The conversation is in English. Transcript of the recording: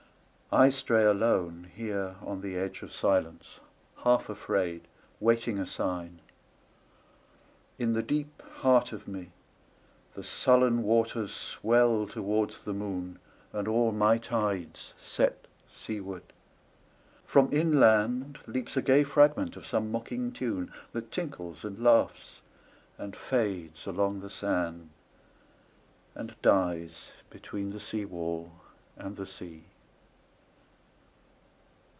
I stray aloneHere on the edge of silence, half afraid, Waiting a sign. In the deep heart of meThe sullen waters swell towards the moon, And all my tides set seaward. From inlandLeaps a gay fragment of some mocking tune, That tinkles and laughs and fades along the sand, And dies between the seawall and the sea.